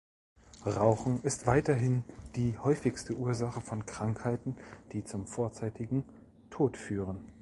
Rauchen ist weiterhin die häufigste Ursache von Krankheiten, die zum vorzeitigen Tod führen.